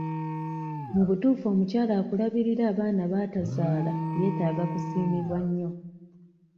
Mu butuufu omukyala akulabiririra abaana baatazaala yeetaaga kusiimwa nnyo.